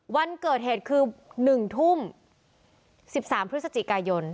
วันเกิดเหตุคือ๑ทุ่ม๑๓พฤศจิกายน